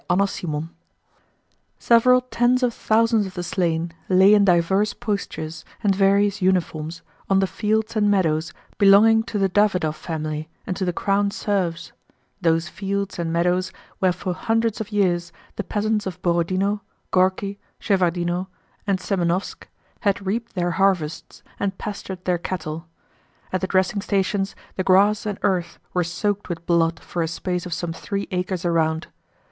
CHAPTER XXXIX Several tens of thousands of the slain lay in diverse postures and various uniforms on the fields and meadows belonging to the Davýdov family and to the crown serfs—those fields and meadows where for hundreds of years the peasants of Borodinó, Górki, Shevárdino, and Semënovsk had reaped their harvests and pastured their cattle. At the dressing stations the grass and earth were soaked with blood for a space of some three acres around.